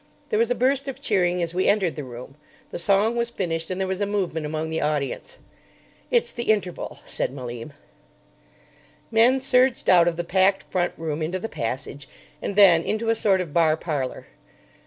There was a burst of cheering as we entered the room. The song was finished, and there was a movement among the audience. "It's the interval," said Malim. Men surged out of the packed front room into the passage, and then into a sort of bar parlour.